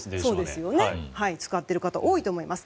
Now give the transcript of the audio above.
使っている方、多いと思います。